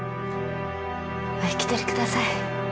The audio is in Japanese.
お引き取りください。